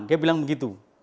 dia bilang begitu